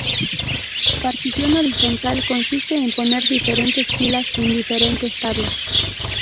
Partición horizontal consiste en poner diferentes filas en diferentes tablas.